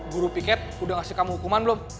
guru piket udah ngasih kamu hukuman belum